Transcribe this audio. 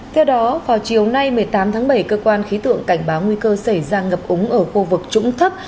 theo đó vào chiều nay một mươi tám tháng bảy cơ quan khí tượng cảnh báo nguy cơ xảy ra ngập úng ở khu vực trũng thấp